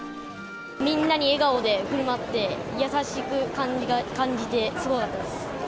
みんなに笑顔でふるまって、優しく感じて、すごかったです。